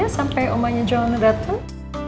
sampai omanya juana dateng